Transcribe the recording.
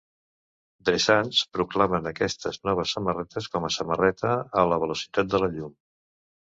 The Suns proclamen aquestes noves samarretes com a samarreta "A la velocitat de la Llum".